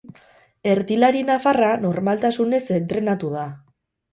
Erdilari nafarra normaltasunez entrenatu da.